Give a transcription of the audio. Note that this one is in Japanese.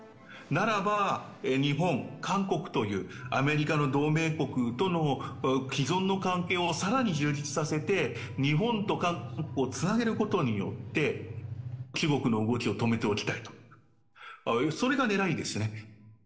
ならば、日本、韓国というアメリカの同盟国との既存の関係をさらに充実させて、日本と韓国をつなげることによって、中国の動きを止めておきたいと、それがねらいですね。